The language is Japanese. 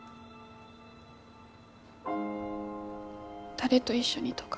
誰と一緒にとか。